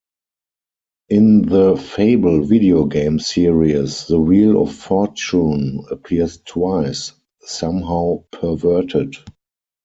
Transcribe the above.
In the "Fable" video game series, the wheel of fortune appears twice, somehow perverted.